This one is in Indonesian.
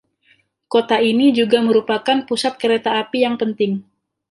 Kota ini juga merupakan pusat kereta api yang penting.